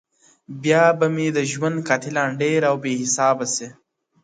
بيا به مي د ژوند قاتلان ډېر او بې حسابه سي!